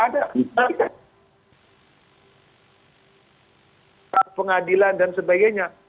di pada pengadilan dan sebagainya